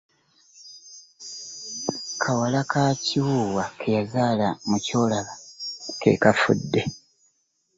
Kawala ka Kiwuuwa ke yazaala mu Kyolaba ke kafudde.